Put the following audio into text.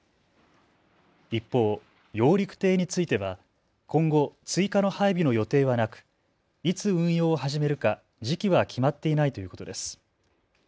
一方、揚陸艇については今後、追加の配備の予定はなくいつ運用を始めるか時期は決まっていないということです。